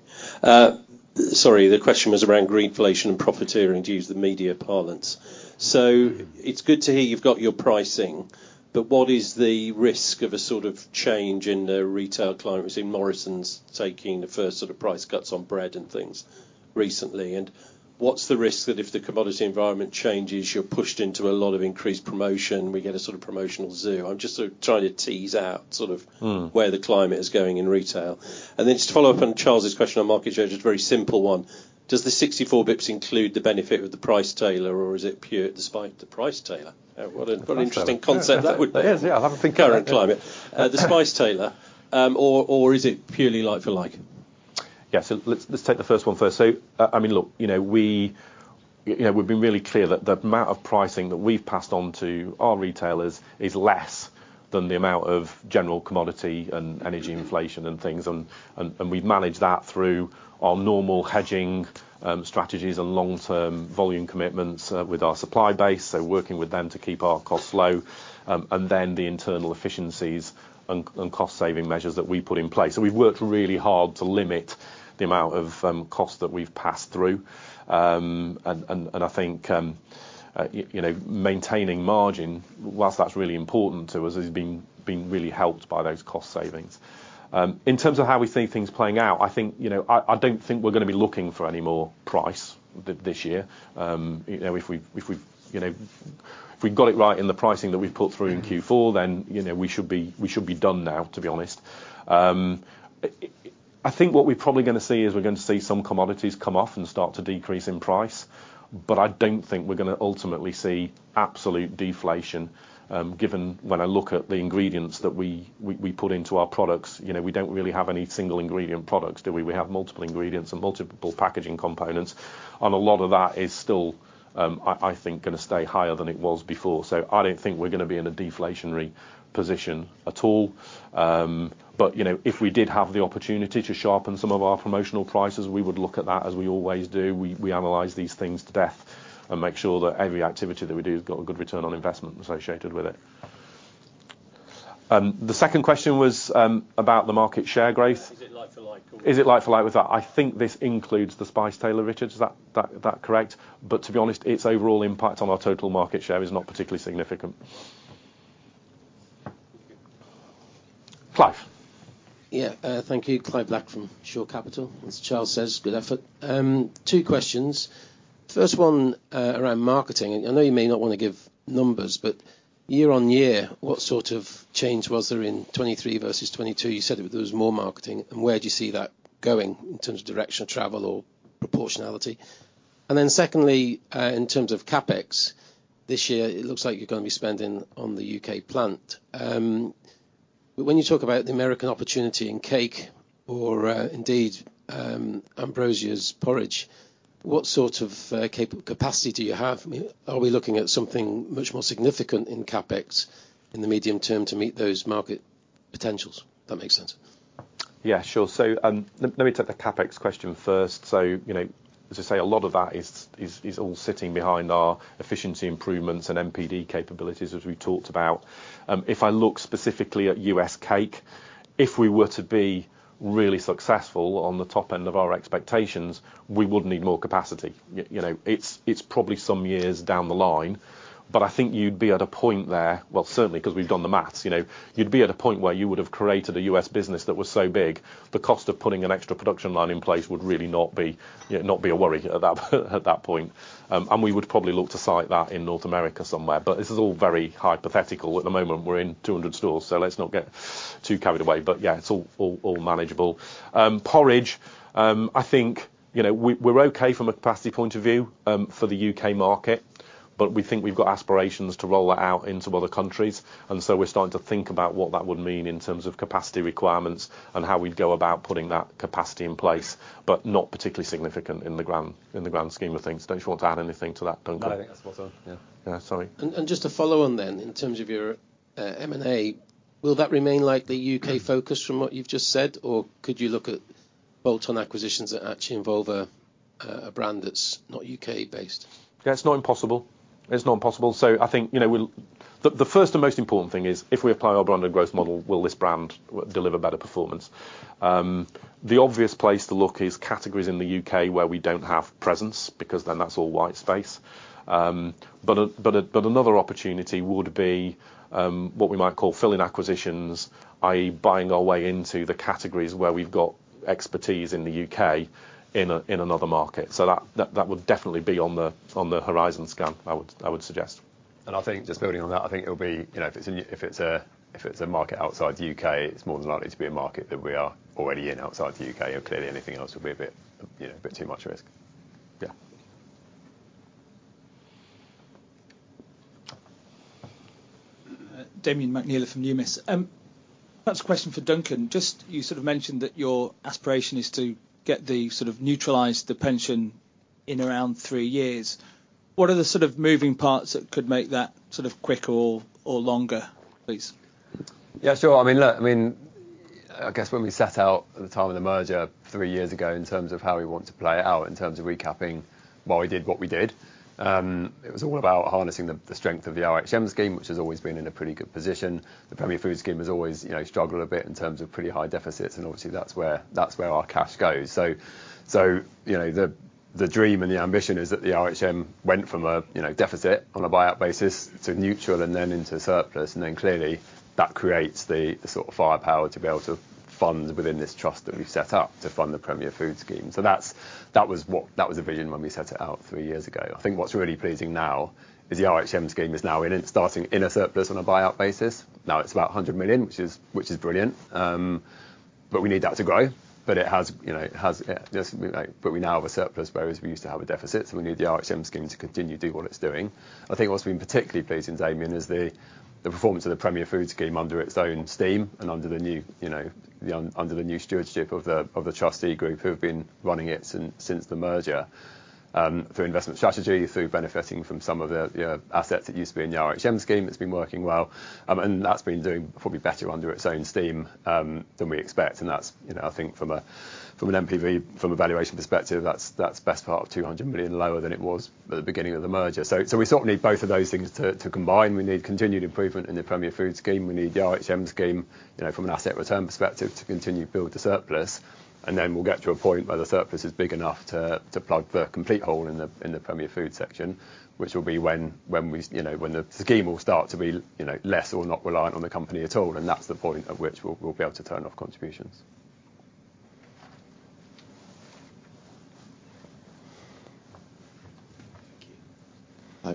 Sorry, the question was around greedflation and profiteering, to use the media parlance. It's good to hear you've got your pricing, but what is the risk of a sort of change in the retail climate? We've seen Morrisons taking the first sort of price cuts on bread and things recently. What's the risk that if the commodity environment changes, you're pushed into a lot of increased promotion, we get a sort of promotional zoo? I'm just sort of trying to tease out. Mm. -where the climate is going in retail. Just to follow up on Charles's question on market share, just a very simple one. Does the 64 basis points include the benefit of The Spice Tailor or is it pure despite The Spice Tailor? What an interesting concept that would- That is, yeah. I'll have a think about it. Current climate. The Spice Tailor, or is it purely like for like? Yeah. Let's take the first one first. I mean, look, you know, we, you know, we've been really clear that the amount of pricing that we've passed on to our retailers is less than the amount of general commodity and energy inflation and things. We've managed that through our normal hedging strategies and long-term volume commitments with our supply base, so working with them to keep our costs low, and then the internal efficiencies and cost saving measures that we put in place. We've worked really hard to limit the amount of cost that we've passed through. I think, you know, maintaining margin, whilst that's really important to us, has been really helped by those cost savings. In terms of how we see things playing out, I think, you know, I don't think we're gonna be looking for any more price this year. You know, if we, you know, if we'd got it right in the pricing that we've pulled through in Q4, then, you know, we should be, we should be done now, to be honest. I think what we're probably gonna see is we're gonna see some commodities come off and start to decrease in price. I don't think we're gonna ultimately see absolute deflation, given when I look at the ingredients that we put into our products, you know, we don't really have any single ingredient products, do we? We have multiple ingredients and multiple packaging components, and a lot of that is still, I think going to stay higher than it was before. I don't think we're going to be in a deflationary position at all. You know, if we did have the opportunity to sharpen some of our promotional prices, we would look at that as we always do. We analyze these things to death and make sure that every activity that we do has got a good return on investment associated with it. The second question was about the market share growth. Is it like for like or- Is it like for like? With that, I think this includes The Spice Tailor, Richard. Is that correct? To be honest, its overall impact on our total market share is not particularly significant. Clive. Yeah. Thank you. Clive Black from Shore Capital. As Charles says, good effort. Two questions. First one, around marketing, I know you may not wanna give numbers, but year-on-year, what sort of change was there in 2023 versus 2022? You said it, there was more marketing. Where do you see that going in terms of direction of travel or proportionality? Secondly, in terms of CapEx, this year, it looks like you're gonna be spending on the U.K. plant. When you talk about the American opportunity in cake or, indeed, Ambrosia's porridge, what sort of cape-capacity do you have? I mean, are we looking at something much more significant in CapEx in the medium term to meet those market potentials, if that makes sense? Yeah, sure. Let me take the CapEx question first. You know, as I say, a lot of that is all sitting behind our efficiency improvements and NPD capabilities, as we talked about. If I look specifically at U.S. cake, if we were to be really successful on the top end of our expectations, we would need more capacity. You know, it's probably some years down the line, but I think you'd be at a point there, well, certainly 'cause we've done the math, you know. You'd be at a point where you would have created a U.S. business that was so big, the cost of putting an extra production line in place would really not be, you know, not be a worry at that, at that point. We would probably look to site that in North America somewhere. This is all very hypothetical at the moment. We're in 200 stores, so let's not get too carried away. Yeah, it's all manageable. Porridge, I think, you know, we're okay from a capacity point of view for the U.K. market, but we think we've got aspirations to roll that out into other countries. We're starting to think about what that would mean in terms of capacity requirements and how we'd go about putting that capacity in place. Not particularly significant in the grand scheme of things. Don't you want to add anything to that, Duncan? I think that's well done. Yeah. Yeah. Sorry. Just to follow on then, in terms of your M&A, will that remain like the U.K. focus from what you've just said, or could you look at bolt-on acquisitions that actually involve a brand that's not U.K. based? Yeah, it's not impossible. It's not impossible. I think, you know, The first and most important thing is if we apply our Branded Growth Model, will this brand deliver better performance? The obvious place to look is categories in the U.K. where we don't have presence, because then that's all white space. But another opportunity would be what we might call fill-in acquisitions, i.e., buying our way into the categories where we've got expertise in the U.K. in another market. That would definitely be on the horizon scan, I would suggest. I think just building on that, I think it'll be, you know, if it's a market outside the U.K., it's more than likely to be a market that we are already in outside the U.K., or clearly anything else would be a bit, you know, a bit too much risk. Yeah. Damian McNeela from Numis. Perhaps a question for Duncan. Just you sort of mentioned that your aspiration is to sort of neutralize the pension in around three years. What are the sort of moving parts that could make that sort of quicker or longer, please? Yeah, sure. I mean, look, I mean, I guess when we set out at the time of the merger 3 years ago in terms of how we want to play out, in terms of recapping why we did what we did, it was all about harnessing the strength of the RHM scheme, which has always been in a pretty good position. The Premier Foods scheme has always, you know, struggled a bit in terms of pretty high deficits, and obviously that's where, that's where our cash goes. You know, the dream and the ambition is that the RHM went from a, you know, deficit on a buyout basis to neutral and then into surplus. Clearly that creates the sort of firepower to be able to fund within this trust that we've set up to fund the Premier Foods scheme. That's, that was what, that was the vision when we set it out three years ago. I think what's really pleasing now is the RHM scheme is starting in a surplus on a buyout basis. Now it's about 100 million, which is brilliant. We need that to grow. It has, you know, it has, like, but we now have a surplus, whereas we used to have a deficit, so we need the RHM scheme to continue to do what it's doing. I think what's been particularly pleasing, Damian, is the performance of the Premier Foods scheme under its own steam and under the new, you know, under the new stewardship of the trustee group who've been running it since the merger, through investment strategy, through benefiting from some of the, you know, assets that used to be in the RHM scheme. It's been working well, that's been doing probably better under its own steam than we expect. That's, you know, I think from a, from an NPV, from a valuation perspective, that's best part of 200 million lower than it was at the beginning of the merger. We sort of need both of those things to combine. We need continued improvement in the Premier Foods scheme. We need the RHM scheme, you know, from an asset return perspective, to continue to build the surplus. Then we'll get to a point where the surplus is big enough to plug the complete hole in the Premier Food section, which will be when we, you know, when the scheme will start to be, you know, less or not reliant on the company at all. That's the point at which we'll be able to turn off contributions.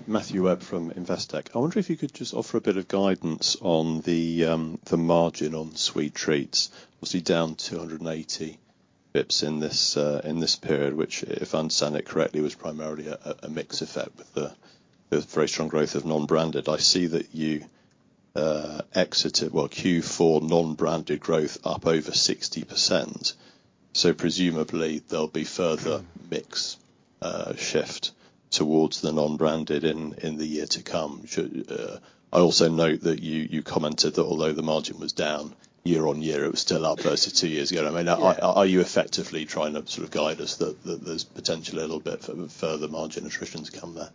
Thank you. Matthew Webb from Investec. I wonder if you could just offer a bit of guidance on the margin on sweet treats. Obviously down 280 basis points in this period, which, if I understand it correctly, was primarily a mix effect with the very strong growth of non-branded. I see that you exited, well, Q4 non-branded growth up over 60%. Presumably there'll be further mix shift towards the non-branded in the year to come. Should I also note that you commented that although the margin was down year-on-year, it was still up versus two years ago. Yeah. Are you effectively trying to sort of guide us that there's potentially a little bit further margin attrition to come there?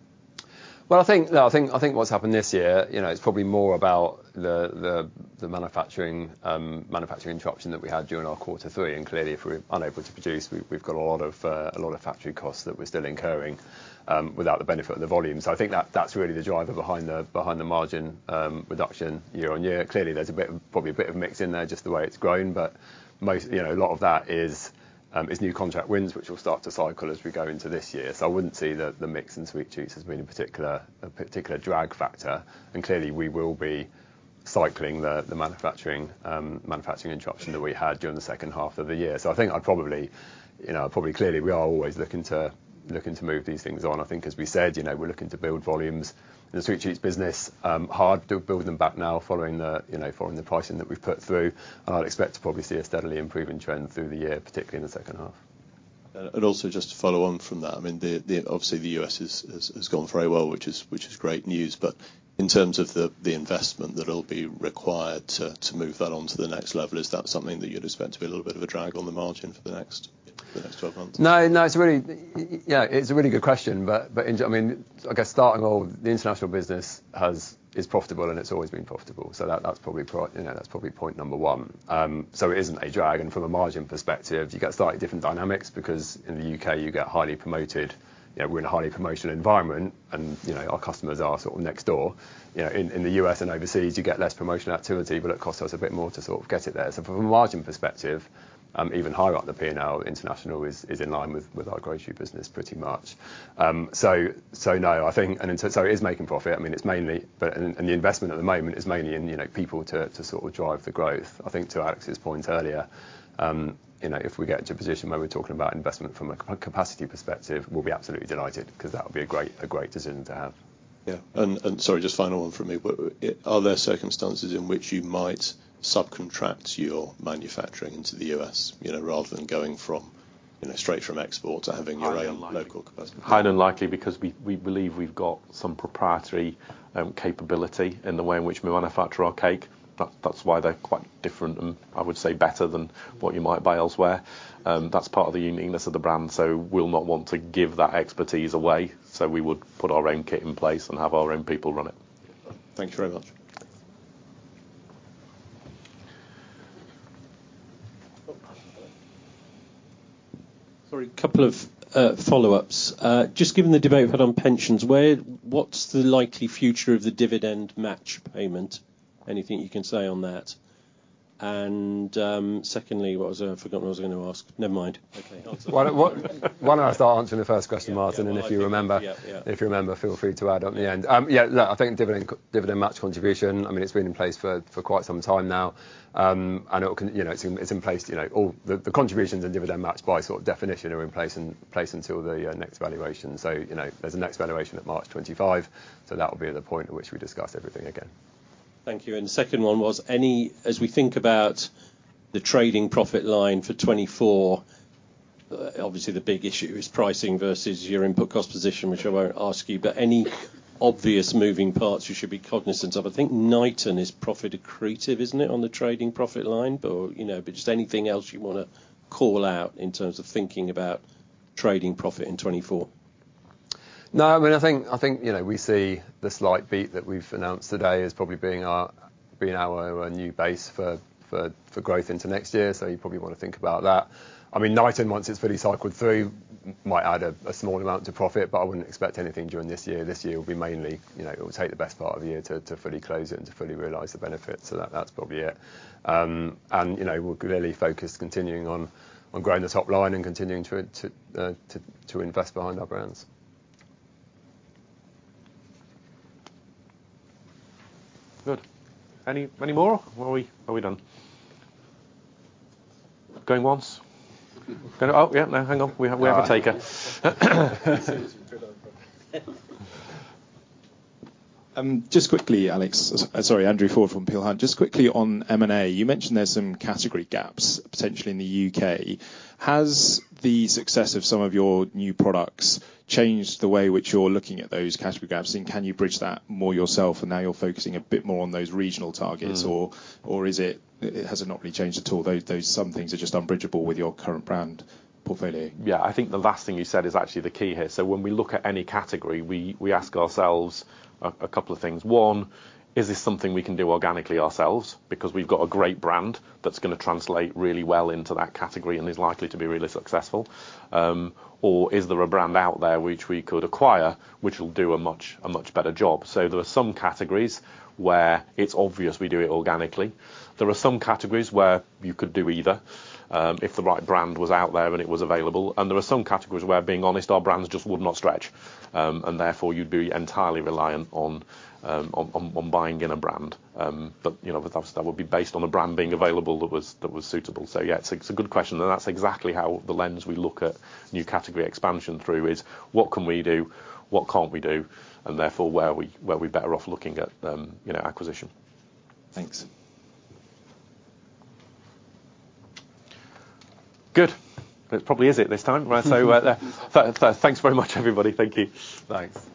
Well, I think, no, I think what's happened this year, you know, it's probably more about the manufacturing interruption that we had during our quarter three. Clearly, if we're unable to produce, we've got a lot of a lot of factory costs that we're still incurring without the benefit of the volume. I think that that's really the driver behind the margin reduction year-over-year. Clearly, there's probably a bit of mix in there just the way it's grown. you know, a lot of that is new contract wins, which will start to cycle as we go into this year. I wouldn't see the mix in sweet treats as being a particular drag factor. Clearly, we will be cycling the manufacturing interruption that we had during the second half of the year. I think I'd probably, you know, probably clearly we are always looking to move these things on. I think as we said, you know, we're looking to build volumes in the sweet treats business. Hard to build them back now following the, you know, following the pricing that we've put through. I'd expect to probably see a steadily improving trend through the year, particularly in the second half. Also just to follow on from that, I mean, the obviously the U.S. has gone very well, which is great news. In terms of the investment that'll be required to move that on to the next level, is that something that you'd expect to be a little bit of a drag on the margin for the next 12 months? No, yeah, it's a really good question. I mean, I guess starting off, the international business is profitable, and it's always been profitable. That's probably you know, that's probably point number one. It isn't a drag. From a margin perspective, you get slightly different dynamics because in the U.K., you get highly promoted. You know, we're in a highly promotional environment, and, you know, our customers are sort of next door. You know, in the U.S. and overseas, you get less promotional activity, but it costs us a bit more to sort of get it there. From a margin perspective, even high up the P&L international is in line with our grocery business pretty much. No. I think in terms, it is making profit. I mean, it's mainly. The investment at the moment is mainly in, you know, people to sort of drive the growth. I think to Alex's point earlier, you know, if we get to a position where we're talking about investment from a capacity perspective, we'll be absolutely delighted 'cause that would be a great decision to have. Yeah. Sorry, just final one from me. Are there circumstances in which you might subcontract your manufacturing into the U.S., you know, rather than going from, you know, straight from export to having your own-? Highly unlikely. local capacity? Highly unlikely because we believe we've got some proprietary capability in the way in which we manufacture our cake. That's why they're quite different and I would say better than what you might buy elsewhere. That's part of the uniqueness of the brand, so we'll not want to give that expertise away. We would put our own kit in place and have our own people run it. Thank you very much. Sorry, couple of follow-ups. Just given the debate we've had on pensions, what's the likely future of the dividend match payment? Anything you can say on that? Secondly, what was it? I've forgotten what I was gonna ask. Never mind. Okay. Why don't I start answering the first question, Martin? Yeah. If you remember... Yeah, yeah. If you remember, feel free to add on the end. Yeah, look, I think dividend match contribution, I mean, it's been in place for quite some time now. You know, it's in place, you know, all the contributions and dividend matched by sort of definition are in place until the next valuation. You know, there's a next valuation at March 25, so that will be the point at which we discuss everything again. Thank you. The second one was as we think about the trading profit line for 2024, obviously the big issue is pricing versus your input cost position, which I won't ask you, but any obvious moving parts you should be cognizant of? I think Knighton is profit accretive, isn't it, on the trading profit line? You know, just anything else you wanna call out in terms of thinking about trading profit in 2024? I mean, I think, you know, we see the slight beat that we've announced today as probably being our new base for growth into next year. You probably wanna think about that. I mean, Knighton, once it's fully cycled through, might add a small amount to profit, but I wouldn't expect anything during this year. This year will be mainly, you know, it will take the best part of the year to fully close it and to fully realize the benefits. That's probably it. You know, we're clearly focused continuing on growing the top line and continuing to invest behind our brands. Good. Any more or are we done? Going once. Going... Oh, yeah. No, hang on. We have a taker. Just quickly, Alex. Sorry, Andrew Ford from Peel Hunt. Just quickly on M&A, you mentioned there's some category gaps potentially in the U.K. Has the success of some of your new products changed the way in which you're looking at those category gaps, and can you bridge that more yourself and now you're focusing a bit more on those regional targets? Has it not really changed at all, though some things are just unbridgeable with your current brand portfolio? Yeah. I think the last thing you said is actually the key here. When we look at any category, we ask ourselves a couple of things. One, is this something we can do organically ourselves because we've got a great brand that's gonna translate really well into that category and is likely to be really successful? Or is there a brand out there which we could acquire, which will do a much better job? There are some categories where it's obvious we do it organically. There are some categories where you could do either, if the right brand was out there and it was available. There are some categories where, being honest, our brands just would not stretch, and therefore you'd be entirely reliant on buying in a brand. You know, that would be based on a brand being available that was suitable. Yeah, it's a good question, and that's exactly how the lens we look at new category expansion through is what can we do, what can't we do, and therefore where are we better off looking at, you know, acquisition. Thanks. Good. That probably is it this time. Thanks very much, everybody. Thank you. Thanks.